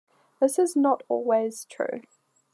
This is not always true.